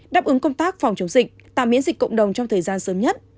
đáp ứng công tác phòng chống dịch tạm miễn dịch cộng đồng trong thời gian sớm nhất